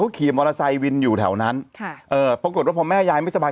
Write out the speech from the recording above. ขี่มอเตอร์ไซค์วินอยู่แถวนั้นปรากฏว่าพอแม่ยายไม่สบาย